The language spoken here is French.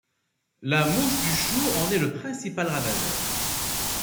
La mouche du chou en est le principal ravageur.